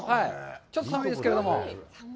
ちょっと寒いですけれども。